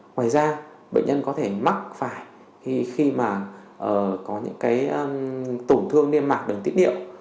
ngoài ra bệnh nhân có thể mắc phải khi mà có những cái tổn thương liên mạc đường tiết niệu